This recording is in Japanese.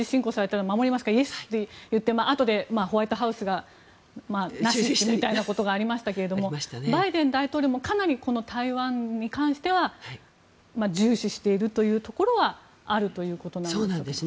そう聞かれた時にイエスって言ってあとでホワイトハウスがなしにしてみたいなことがありますけどバイデン大統領もかなり台湾に対しては重視しているというところはあるということなんですか。